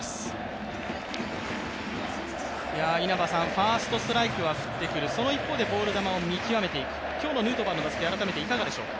ファーストストライクは振ってくる、その一方でボール球を見極めていく、今日のヌートバーの打席いかがでしょう？